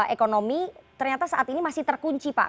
ekonomi ternyata saat ini masih terkunci pak